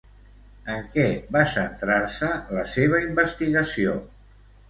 En què va centrar-se la seva investigació?